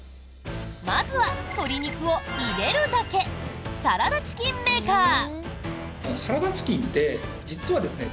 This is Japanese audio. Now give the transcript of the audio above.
まずは鶏肉を入れるだけサラダチキンメーカー。